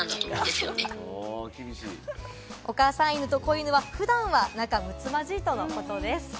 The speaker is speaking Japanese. お母さん犬と子犬は普段は仲睦まじいとのことです。